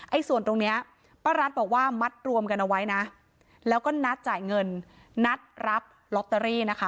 ส่วนตรงเนี้ยป้ารัฐบอกว่ามัดรวมกันเอาไว้นะแล้วก็นัดจ่ายเงินนัดรับลอตเตอรี่นะคะ